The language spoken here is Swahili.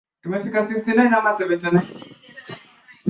yeyote ambaye angechochea vurugu nchini humo